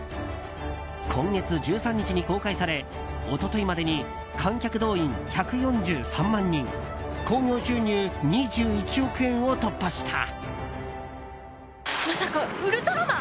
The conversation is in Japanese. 今月１３日に公開され一昨日までに観客動員１４３万人興行収入２１億円を突破した。